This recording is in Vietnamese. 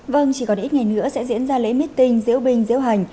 vâng chỉ còn ít ngày nữa sẽ diễn ra lễ mít tinh diễu binh diễu hành